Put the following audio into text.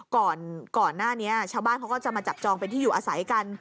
ก่อนหน้านี้ชาวบ้านเขาก็จะมาจับจองเป็นที่อยู่อาศัยกัน